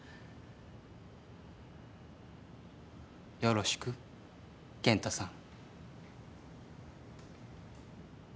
よろしく健太さん。